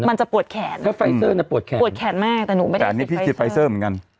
มันจะปวดแขนถ้าไฟเซอร์น่ะปวดแขนปวดแขนมากแต่หนูไม่ได้แต่อันนี้พี่คิดไฟเซอร์เหมือนกัน